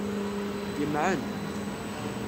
Yemɛen.